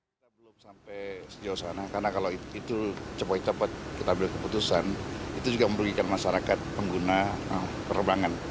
kita belum sampai sejauh sana karena kalau itu cepat kita ambil keputusan itu juga merugikan masyarakat pengguna penerbangan